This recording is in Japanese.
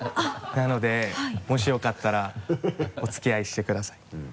なのでもしよかったらお付き合いしてください。